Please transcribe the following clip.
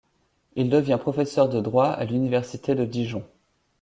Il devient professeur de Droit à l'université de Dijon.